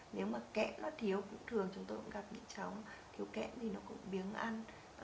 nếu mà kẽm nó thiếu thường chúng tôi cũng gặp những cháu thiếu kẽm thì nó cũng biếng ăn